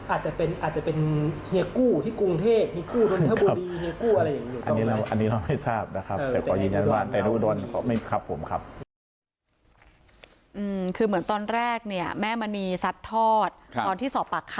อาจจะเห็นเฮียกู้ที่กรุงเทศเฮียกู้ที่